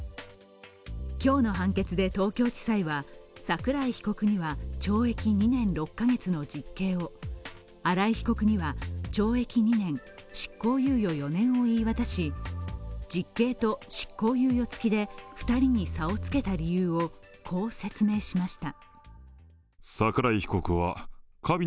今日の判決で東京地裁は、桜井被告には懲役２年６カ月の実刑を新井被告には懲役２年執行猶予４年を言い渡し実刑と執行猶予付きで２人に差をつけた理由を、こう説明しました。